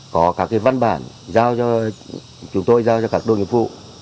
có các văn bản giao cho chúng tôi giao cho các đối nhiệm vụ